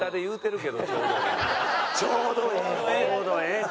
ちょうどええって。